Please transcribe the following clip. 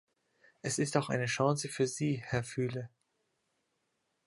Es ist auch eine Chance für Sie, Herr Füle.